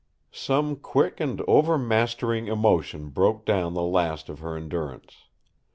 Some quick and overmastering emotion broke down the last of her endurance.